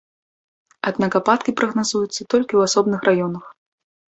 Аднак ападкі прагназуюцца толькі ў асобных раёнах.